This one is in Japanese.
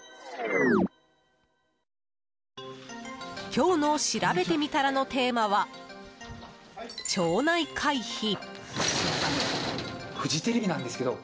今日のしらべてみたらのテーマは町内会費。